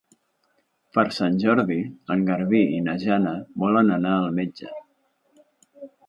Per Sant Jordi en Garbí i na Jana volen anar al metge.